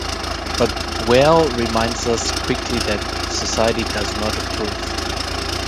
But Whale reminds us quickly that society does not approve.